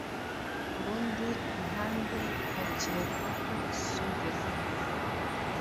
ku rundi ruhande hacyekwa ko Suge